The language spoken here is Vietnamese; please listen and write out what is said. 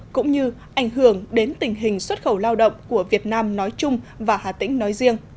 cũng như ảnh hưởng đến tình hình xuất khẩu lao động của việt nam nói chung và hà tĩnh nói riêng